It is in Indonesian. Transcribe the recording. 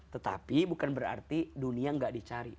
tetapi bukan berarti dunia nggak dicari